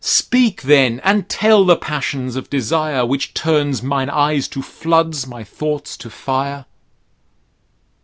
Speak then, and tell the passions of desire; Which turns mine eyes to floods, my thoughts to fire.